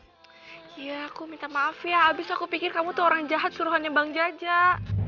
iya aku minta maaf ya abis aku pikir kamu tuh orang jahat suruhannya bang jaja